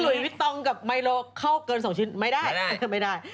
วิตตองกับไมโลเข้าเกิน๒ชิ้นไม่ได้ไม่ได้